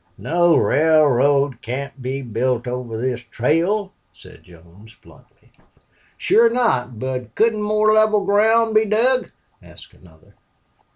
"No railroad can't be built over this trail," said Jones, bluntly. "Sure not. But couldn't more level ground be dug?" asked another.